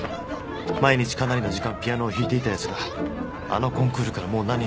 毎日かなりの時間ピアノを弾いていたヤツがあのコンクールからもう何日も！